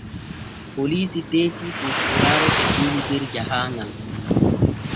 Poliisi teeti poopooraare Sesiili der jahaaŋal.